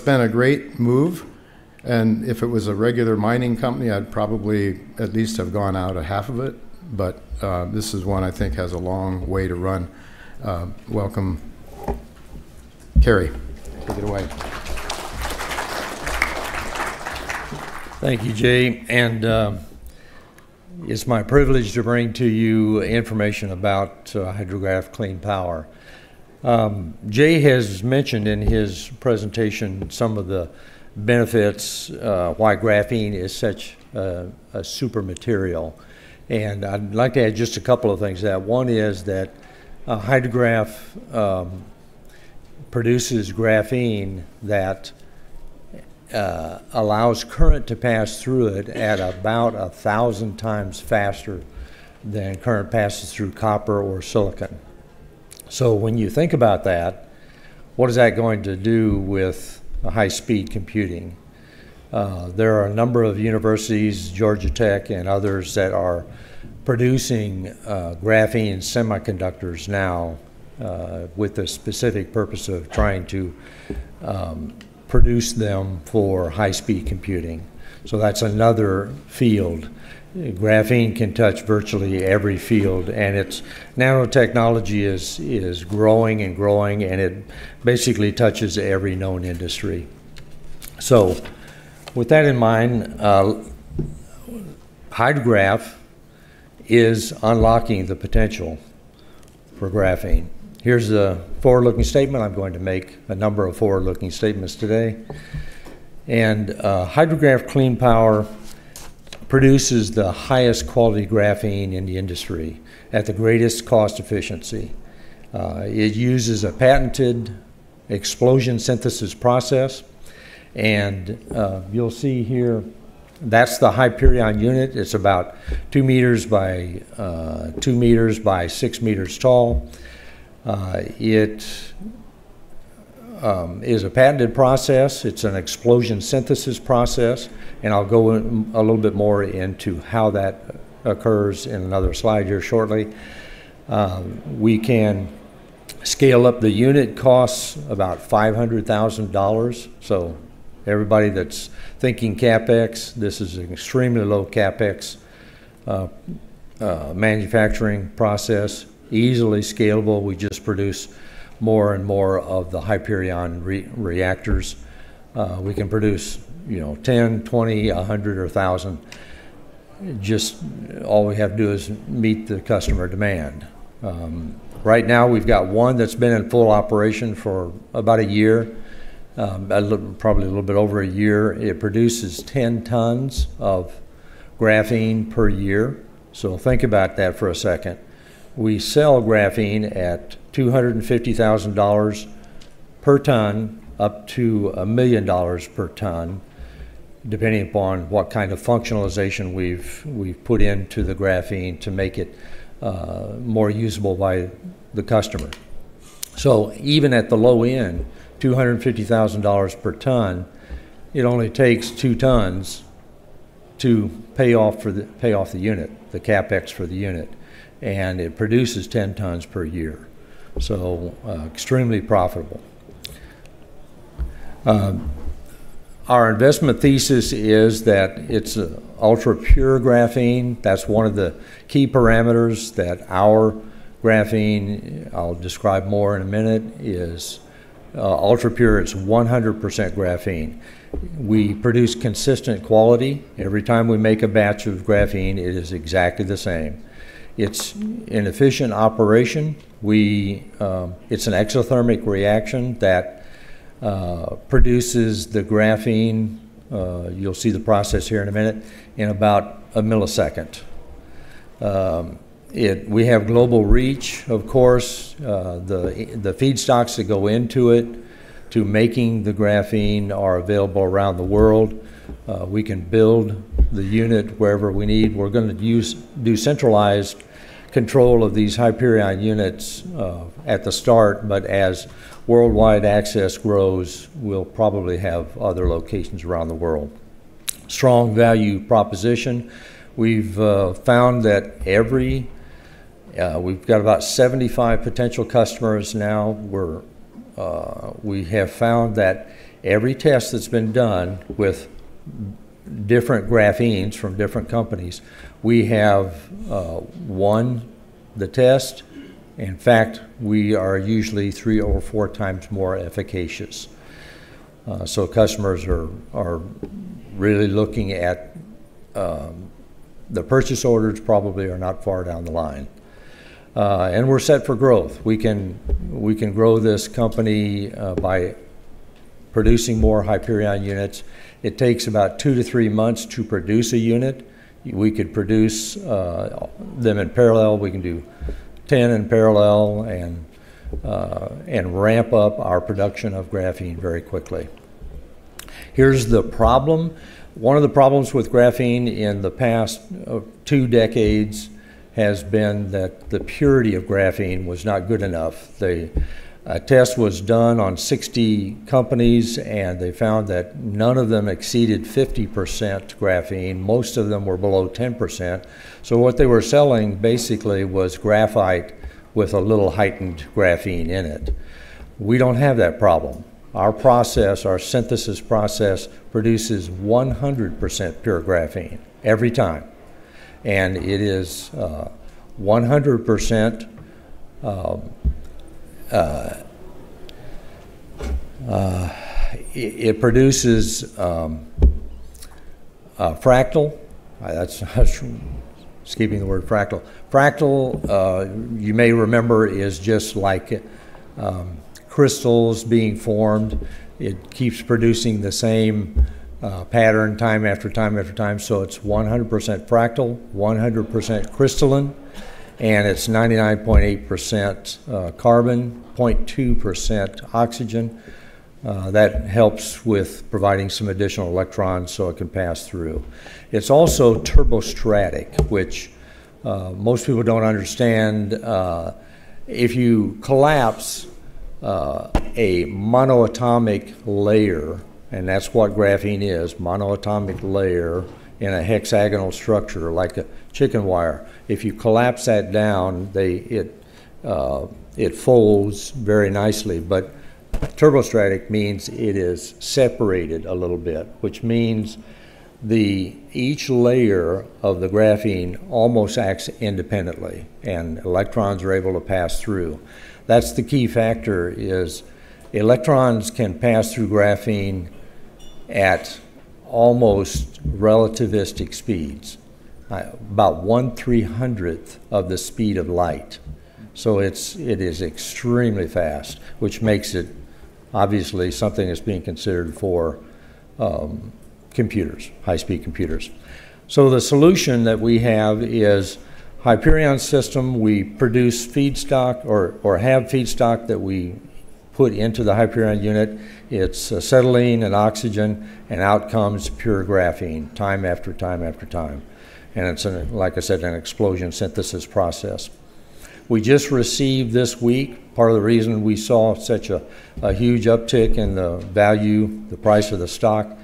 It's been a great move, and if it was a regular mining company, I'd probably at least have gone out a half of it. This is one I think has a long way to run. Welcome. Kerry, take it away. Thank you, Jay. It's my privilege to bring to you information about HydroGraph Clean Power. Jay has mentioned in his presentation some of the benefits, why graphene is such a super material. I'd like to add just a couple of things to that. One is that a HydroGraph produces graphene that allows current to pass through it at about 1,000 times faster than current passes through copper or silicon. When you think about that, what is that going to do with high-speed computing? There are a number of universities, Georgia Tech and others, that are producing graphene semiconductors now, with the specific purpose of trying to produce them for high-speed computing. That's another field. Graphene can touch virtually every field, its nanotechnology is growing and growing. It basically touches every known industry. With that in mind, HydroGraph is unlocking the potential for graphene. Here's a forward-looking statement. I'm going to make a number of forward-looking statements today. HydroGraph Clean Power Inc. produces the highest quality graphene in the industry at the greatest cost efficiency. It uses a patented explosion synthesis process. You'll see here that's the Hyperion unit. It's about 2m by 2m by 6m tall. It is a patented process. It's an explosion synthesis process. I'll go in a little bit more into how that occurs in another slide here shortly. We can scale up the unit costs about $500,000. Everybody that's thinking CapEx, this is an extremely low CapEx manufacturing process, easily scalable. We just produce more and more of the Hyperion reactors. We can produce, you know, 10, 20, 100, or 1,000. All we have to do is meet the customer demand. Right now we've got one that's been in full operation for about a year, probably a little bit over a year. It produces 10 tons of graphene per year. Think about that for a second. We sell graphene at $250,000 per ton, up to $1 million per ton, depending upon what kind of functionalization we've put into the graphene to make it more usable by the customer. Even at the low end, $250,000 per ton, it only takes two tons to pay off the unit, the CapEx for the unit, and it produces 10 tons per year. Extremely profitable. Our investment thesis is that it's ultra-pure graphene. That's one of the key parameters that our graphene, I'll describe more in a minute, is ultra-pure. It's 100% graphene. We produce consistent quality. Every time we make a batch of graphene, it is exactly the same. It's an efficient operation. We, it's an exothermic reaction that produces the graphene, you'll see the process here in a minute, in about a millisecond. We have global reach, of course. The feedstocks that go into it to making the graphene are available around the world. We can build the unit wherever we need. We're gonna use decentralized control of these Hyperion units at the start, but as worldwide access grows, we'll probably have other locations around the world. Strong value proposition. We've found that every, we've got about 75 potential customers now. We have found that every test that's been done with different graphenes from different companies, we have won the test. In fact, we are usually three or four times more efficacious. Customers are really looking at. The purchase orders probably are not far down the line. We're set for growth. We can grow this company by producing more Hyperion units. It takes about two to three months to produce a unit. We could produce them in parallel. We can do 10 in parallel and ramp up our production of graphene very quickly. Here's the problem. One of the problems with graphene in the past, two decades has been that the purity of graphene was not good enough. The test was done on 60 companies, and they found that none of them exceeded 50% graphene. Most of them were below 10%. What they were selling basically was graphite with a little heightened graphene in it. We don't have that problem. Our process, our synthesis process, produces 100% pure graphene every time. It is 100%, it produces fractal. That's, I was keeping the word fractal. Fractal, you may remember, is just like crystals being formed. It keeps producing the same pattern time after time after time. It's 100% fractal, 100% crystalline, and it's 99.8% carbon, 0.2% oxygen. That helps with providing some additional electrons so it can pass through. It's also turbostratic, which most people don't understand. If you collapse a monoatomic layer, and that's what graphene is, monoatomic layer in a hexagonal structure like a chicken wire. If you collapse that down, it folds very nicely. Turbostratic means it is separated a little bit, which means the each layer of the graphene almost acts independently, and electrons are able to pass through. That's the key factor is electrons can pass through graphene at almost relativistic speeds, about one three-hundredth of the speed of light. It's, it is extremely fast, which makes it obviously something that's being considered for computers, high-speed computers. The solution that we have is Hyperion system. We produce feedstock or have feedstock that we put into the Hyperion unit. It's acetylene and oxygen and out comes pure graphene time after time after time. It's, like I said, an explosion synthesis process. We just received this week, part of the reason we saw such a huge uptick in the value, the price of the stock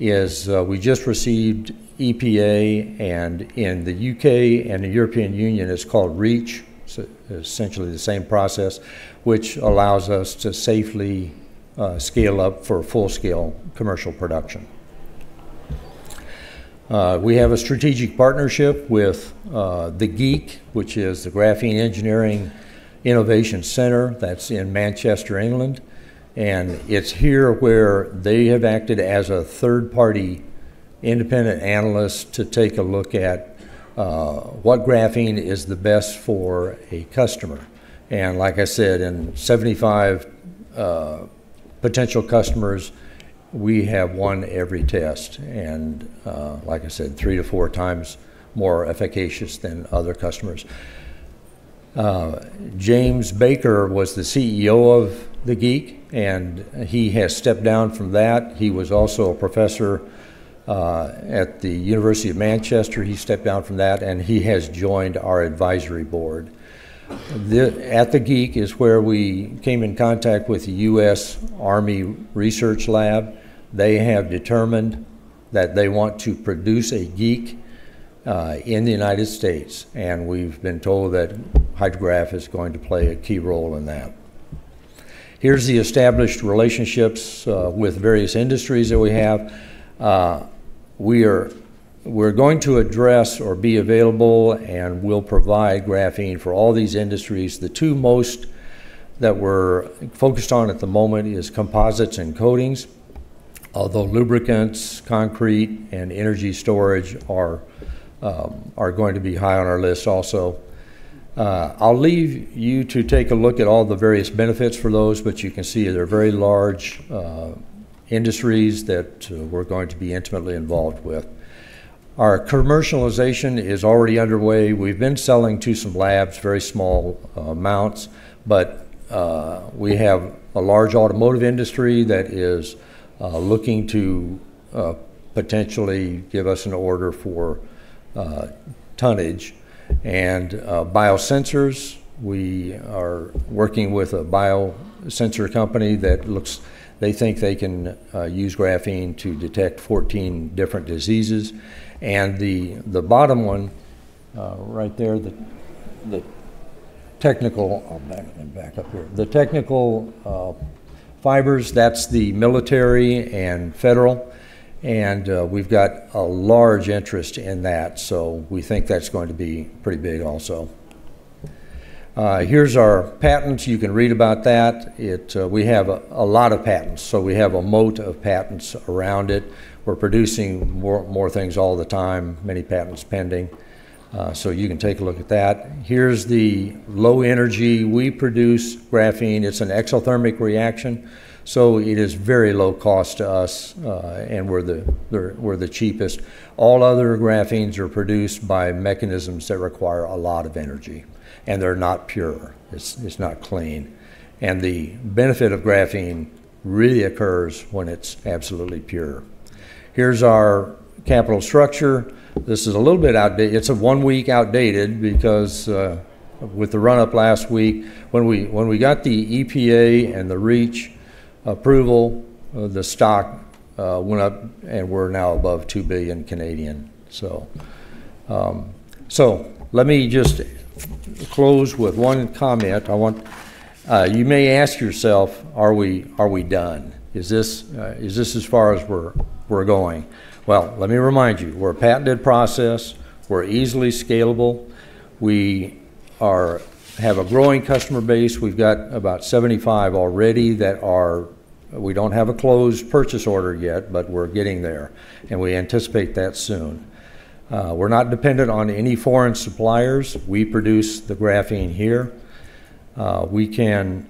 is we just received EPA and in the UK and the European Union it's called REACH. It's essentially the same process, which allows us to safely scale up for full scale commercial production. We have a strategic partnership with the GEIC, which is the Graphene Engineering Innovation Centre that's in Manchester, England. It's here where they have acted as a third-party independent analyst to take a look at what graphene is the best for a customer. Like I said, in 75 potential customers, we have won every test and, like I said, three to four times more efficacious than other customers. James Baker was the CEO of the GEIC, and he has stepped down from that. He was also a professor at The University of Manchester. He stepped down from that, and he has joined our advisory board. At the GEIC is where we came in contact with the U.S. Army Research Laboratory. They have determined that they want to produce a GEIC in the United States, and we've been told that HydroGraph is going to play a key role in that. Here's the established relationships with various industries that we have. We're going to address or be available and we'll provide graphene for all these industries. The two most that we're focused on at the moment is composites and coatings. Although lubricants, concrete and energy storage are going to be high on our list also. I'll leave you to take a look at all the various benefits for those, but you can see they're very large industries that we're going to be intimately involved with. Our commercialization is already underway. We've been selling to some labs very small amounts, but we have a large automotive industry that is looking to potentially give us an order for tonnage and biosensors. We are working with a biosensor company that they think they can use graphene to detect 14 different diseases. The bottom one right there. I'll back up here. The technical fibers, that's the military and federal, and we've got a large interest in that. We think that's going to be pretty big also. Here's our patents. You can read about that. We have a lot of patents, so we have a moat of patents around it. We're producing more things all the time, many patents pending. You can take a look at that. Here's the low energy. We produce graphene. It's an exothermic reaction, so it is very low cost to us, and we're the cheapest. All other graphenes are produced by mechanisms that require a lot of energy, and they're not pure. It's not clean. The benefit of graphene really occurs when it's absolutely pure. Here's our capital structure. This is a little bit it's one week outdated because with the run-up last week, when we got the EPA and the REACH approval, the stock went up and we're now above 2 billion, so. Let me just close with one comment. I want you may ask yourself, are we, are we done? Is this, is this as far as we're going? Well, let me remind you, we're a patented process. We're easily scalable. We have a growing customer base. We've got about 75 already that are... We don't have a closed purchase order yet, but we're getting there, and we anticipate that soon. We're not dependent on any foreign suppliers. We produce the graphene here. We can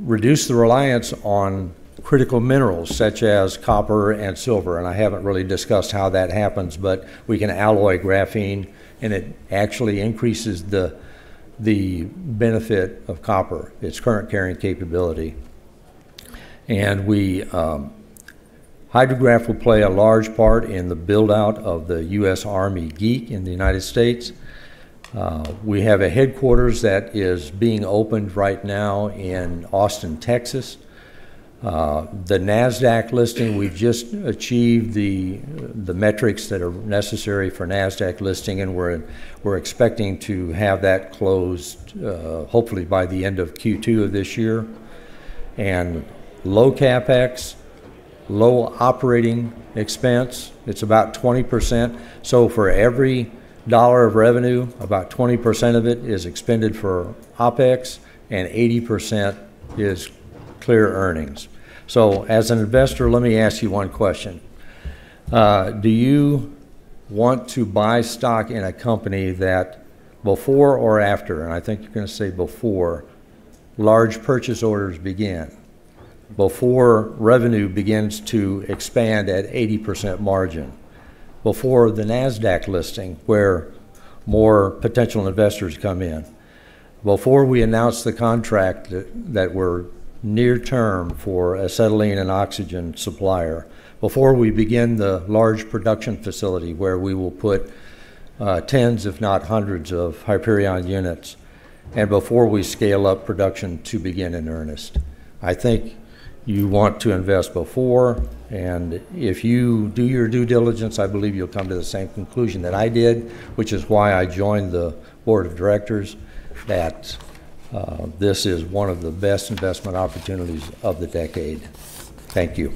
reduce the reliance on critical minerals such as copper and silver, and I haven't really discussed how that happens, but we can alloy graphene, and it actually increases the benefit of copper, its current carrying capability. We, HydroGraph will play a large part in the build-out of the US Army GEIC in the United States. We have a headquarters that is being opened right now in Austin, Texas. The Nasdaq listing, we've just achieved the metrics that are necessary for Nasdaq listing, and we're expecting to have that closed, hopefully by the end of Q2 of this year. Low CapEx, low operating expense. It's about 20%. For every dollar of revenue, about 20% of it is expended for OpEx, and 80% is clear earnings. As an investor, let me ask you one question. Do you want to buy stock in a company that before or after, and I think you're gonna say before, large purchase orders begin, before revenue begins to expand at 80% margin, before the Nasdaq listing where more potential investors come in, before we announce the contract that we're near term for acetylene and oxygen supplier, before we begin the large production facility where we will put tens if not hundreds of Hyperion units, and before we scale up production to begin in earnest? I think you want to invest before, and if you do your due diligence, I believe you'll come to the same conclusion that I did, which is why I joined the board of directors, that this is one of the best investment opportunities of the decade. Thank you.